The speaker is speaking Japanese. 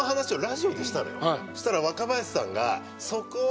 そしたら若林さんがそこは。